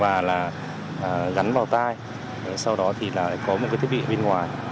và là gắn vào tai sau đó thì có một cái thiết bị ở bên ngoài